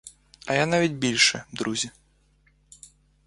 А я навіть більше, друзі.